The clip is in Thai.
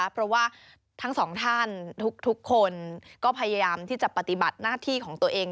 เพราะว่าทั้งสองท่านทุกคนก็พยายามที่จะปฏิบัติหน้าที่ของตัวเอง